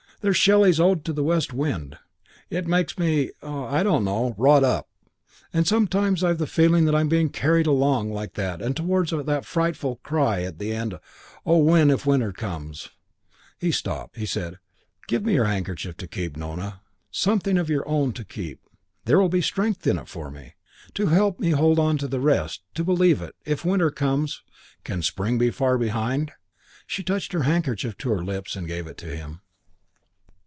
There's Shelley's 'Ode to the West Wind.' It makes me I don't know wrought up. And sometimes I've the feeling that I'm being carried along like that and towards that frightful cry at the end, 'O Wind, if winter comes '" He stopped. He said, "Give me your handkerchief to keep, Nona. Something of your own to keep. There will be strength in it for me to help me hold on to the rest to believe it 'If Winter comes Can Spring be far behind?'" She touched her handkerchief to her lips and gave it to him.